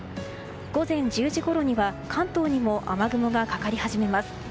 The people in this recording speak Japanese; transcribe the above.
午前１０時ごろには関東にも雨雲がかかり始めます。